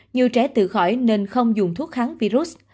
nhiều trẻ tự khỏi nên không dùng thuốc kháng virus